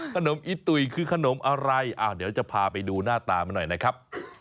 ขนมอีตุ๋ยคือขนมอะไรเดี๋ยวจะพาไปดูหน้าตามันหน่อยนะครับ